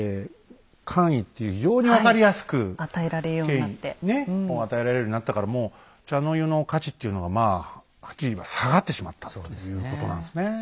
権威ねもう与えられるようになったからもう茶の湯の価値っていうのがまあはっきり言えば下がってしまったということなんですね。